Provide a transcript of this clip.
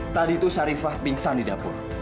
tadi itu sarifah bingsan di dapur